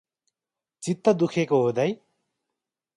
चित्त दुखेको हो दाई?